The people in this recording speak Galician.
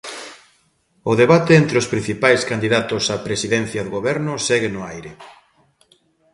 O debate entre os principais candidatos á presidencia do goberno segue no aire.